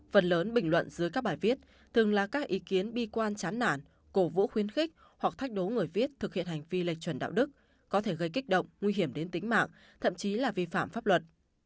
phần lớn bình luận dưới các bài viết thường là các ý kiến bi quan chán nản cổ vũ khuyến khích hoặc thách đố người viết thực hiện hành vi lệch chuẩn đạo đức có thể gây kích động nguy hiểm đến tính mạng thậm chí là vi phạm pháp luật